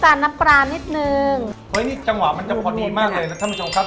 อันนี้จังหวะมันจะพอดีมากเลยนะท่านผู้ชมครับ